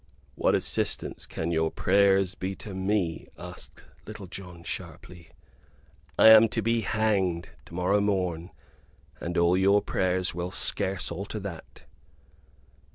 "What assistance can your prayers be to me?" asked Little John, sharply; "I am to be hanged to morrow morn, and all your prayers will scarce alter that."